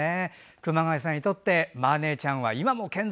熊谷さんにとって「マー姉ちゃん」は今も健在！